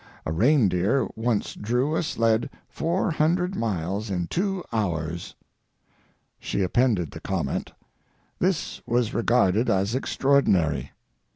A reindeer once drew a sled four hundred miles in two hours." She appended the comment: "This was regarded as extraordinary."